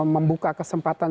memang membuka kesempatan